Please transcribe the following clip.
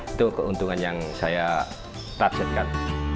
itu keuntungan yang saya targetkan